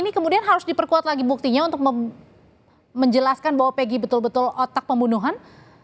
jadi kemudian harus diperkuat lagi buktinya untuk menjelaskan bahwa pegi betul betul otak pembunuhan